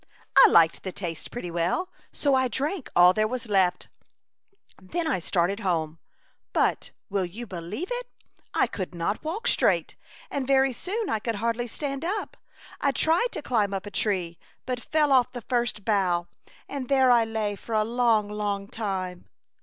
I liked the taste pretty well, so I drank all there was left. A Chautauqua Idyl. 77 Then I started home, but, will you believe it ? I could not walk straight, and very soon I could hardly stand up. I tried to climb up a tree, but fell off the first bough, and there I lay for a long, long time.